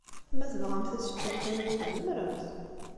Ma tebɣamt ad teččemt aya, tzemremt.